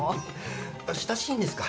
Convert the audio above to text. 親しいんですか？